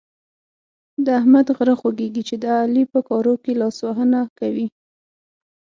د احمد غره خوږېږي چې د علي په کارو کې لاسوهنه کوي.